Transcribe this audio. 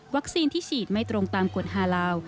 วัคซีนที่ฉีดไม่ตรงตามกฎฮาลาว